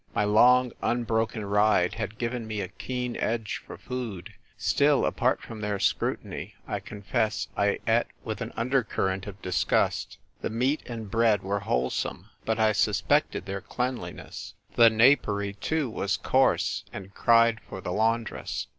My long unbroken ride had given me a keen edge for food ; still, apart from their scrutiny, I confess I eat with an under current of disgust. The meat and bread were wholesome; but I suspected their cleanliness. The napery, too, was coarse and cried for the laundress.